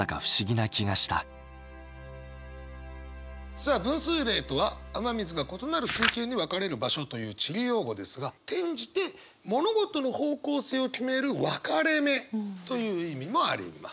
さあ分水嶺とは「雨水が異なる水系に分かれる場所」という地理用語ですが転じて「物事の方向性を決める分かれ目」という意味もあります。